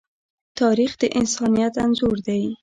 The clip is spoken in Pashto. تاریخ د انسانیت انځور دی.